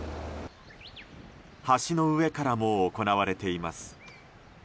橋の上からも行われています。